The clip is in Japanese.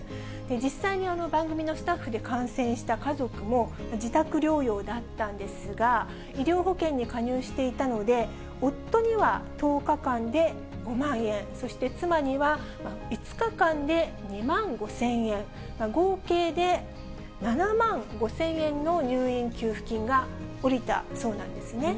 実際に番組のスタッフで感染した家族も、自宅療養だったんですが、医療保険に加入していたので、夫には１０日間で５万円、そして妻には５日間で２万５０００円、合計で７万５０００円の入院給付金が下りたそうなんですね。